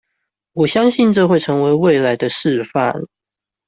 我相信這會成為未來的示範